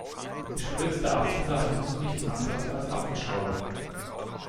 Gespritzter Apfelsaft ist nichts anderes als Apfelschorle.